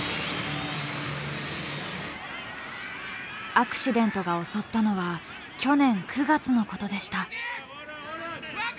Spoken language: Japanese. アクシデントが襲ったのは去年９月のことでした。